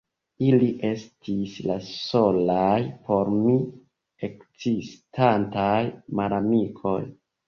Ili estis la solaj por mi ekzistantaj malamikoj.